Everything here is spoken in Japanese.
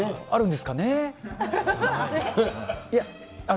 あるんですかね。